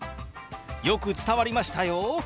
よく伝わりましたよ！